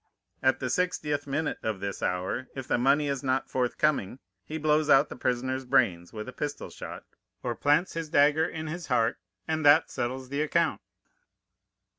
At the sixtieth minute of this hour, if the money is not forthcoming, he blows out the prisoner's brains with a pistol shot, or plants his dagger in his heart, and that settles the account."